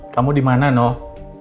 kamu dimana noh